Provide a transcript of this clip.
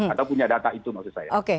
atau punya data itu maksud saya